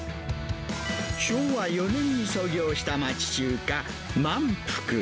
昭和４年に創業した町中華、萬福。